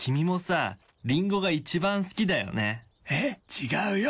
違うよ。